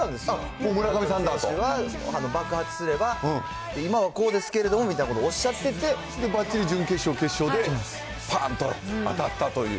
もう村上さんに関しては爆発すれば今はこうですけれどもみたいなことをおっしゃってて、それでばっちり準決勝、決勝でぱーんと当たったという。